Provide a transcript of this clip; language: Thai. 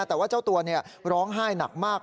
แต่ว่าเจ้าตัวร้องไห้หนักมาก